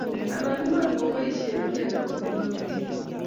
anan Iman keboishen kiiy age tugul ago tyen